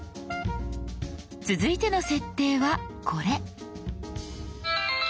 続いての設定はこれ。